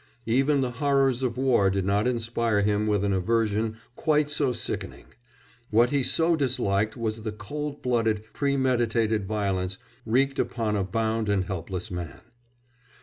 Even the horrors of war did not inspire him with an aversion quite so sickening; what he so disliked was the cold blooded, premeditated violence wreaked upon a bound and helpless man.